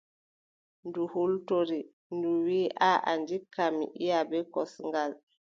Ndu hultori. Ndu wiʼi: aaʼa ndikka mi iʼa bee kosngal.